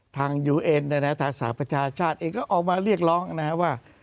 ทางยูเอ็นนะฮะทางสหประชาชน์เองก็ออกมาเรียกร้องนะฮะว่า